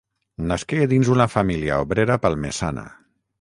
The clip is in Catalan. Nasqué dins una família obrera palmesana.